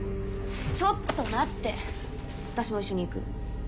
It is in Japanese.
ちょっと待って私も一緒に行く。